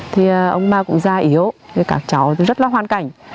thì ông bà cũng da yếu các cháu rất là hoàn cảnh